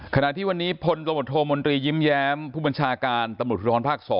ขณะที่วันนี้พลมยิ้มแย้มผู้บัญชาการตำรวจพุทธฮรภาค๒